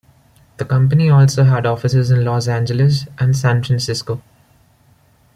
The company also had offices in Los Angeles and San Francisco.